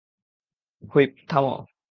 Whip, থামো!